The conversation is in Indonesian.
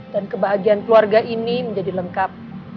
dan kebahagiaan keluarga ini menjadi lengkap